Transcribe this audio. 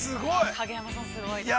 ◆影山さん、すごいですね。